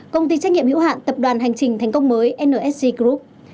công ty trách nhiệm hữu hạn tập đoàn hành trình thành công mới nsg group